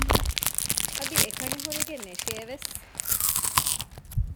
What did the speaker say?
އަދި އެކަނި ހުރެގެން ނެށޭވެސް